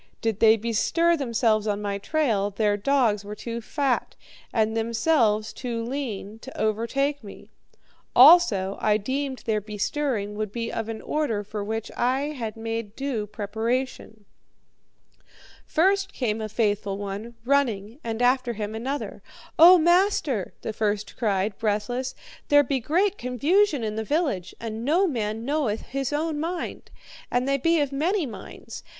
Did they bestir themselves on my trail, their dogs were too fat, and themselves too lean, to overtake me; also, I deemed their bestirring would be of an order for which I had made due preparation. "First came a faithful one, running, and after him another. 'O master,' the first cried, breathless, 'there be great confusion in the village, and no man knoweth his own mind, and they be of many minds.